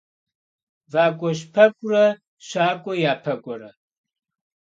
ВакӀуэщпэкӀурэ щакӀуэ япэкӀуэрэ.